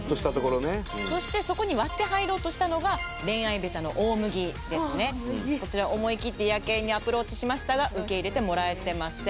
そしてそこに割って入ろうとしたのが恋愛ベタのオオムギですねこちら思い切ってヤケイにアプローチしましたが受け入れてもらえてません